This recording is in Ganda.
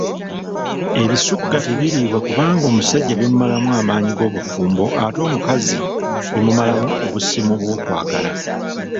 Ebisugga tebiriibwa kubanga omusajja bimumalamu amaanyi g'obufumbo ate omukazi bimumalamu obusimu bw'okwagala.